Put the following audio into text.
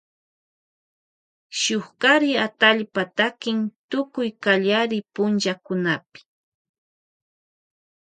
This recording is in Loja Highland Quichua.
Shuk kari atallpa takin tukuy kallari punllakunapi.